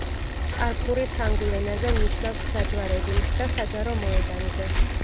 კარფური ფრანგულ ენაზე ნიშნავს „გზაჯვარედინს“ და „საჯარო მოედანზე“.